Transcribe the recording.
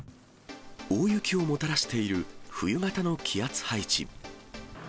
大雪をもたらしている冬型の気圧配置。